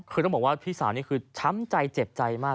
คือต้องบอกว่าพี่สาวนี่คือช้ำใจเจ็บใจมาก